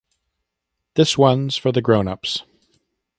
This one’s for the grownups.